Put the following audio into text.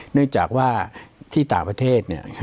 เนื่องจากว่าที่ต่างประเทศ